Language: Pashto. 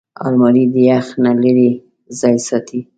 الماري د یخ نه لېرې ځای ساتي